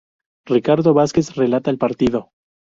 Ricardo Vázquez relata el periodo.